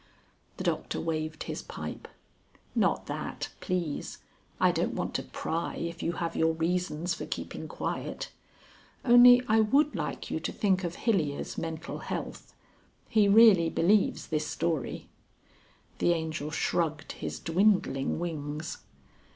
The Doctor waved his pipe. "Not that, please. I don't want to pry if you have your reasons for keeping quiet. Only I would like you to think of Hilyer's mental health. He really believes this story." The Angel shrugged his dwindling wings.